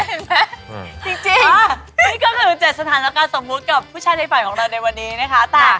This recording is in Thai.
จริงนี่ก็คือ๗สถานการณ์สมมุติกับผู้ชายในฝันของเราในวันนี้นะคะ